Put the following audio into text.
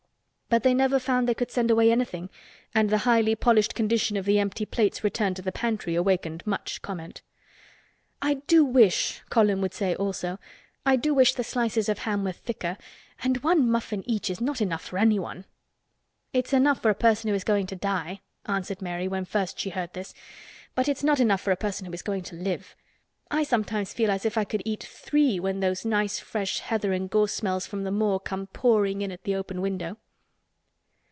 But they never found they could send away anything and the highly polished condition of the empty plates returned to the pantry awakened much comment. "I do wish," Colin would say also, "I do wish the slices of ham were thicker, and one muffin each is not enough for anyone." "It's enough for a person who is going to die," answered Mary when first she heard this, "but it's not enough for a person who is going to live. I sometimes feel as if I could eat three when those nice fresh heather and gorse smells from the moor come pouring in at the open window."